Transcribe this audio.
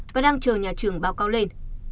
và đang chờ nhà trường báo cáo lên